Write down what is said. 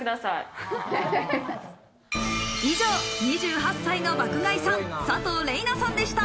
以上、２８歳の爆買いさん、佐藤れいなさんでした。